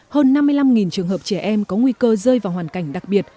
hơn năm mươi năm trường hợp trẻ em có nguy cơ rơi vào hoàn cảnh đặc biệt